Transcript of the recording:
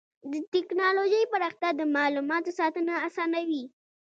د ټکنالوجۍ پراختیا د معلوماتو ساتنه اسانوي.